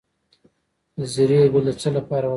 د زیرې ګل د څه لپاره وکاروم؟